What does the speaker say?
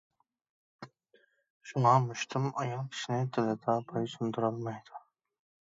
شۇڭا، مۇشتۇم ئايال كىشىنى دىلىدا بوي سۇندۇرالمايدۇ.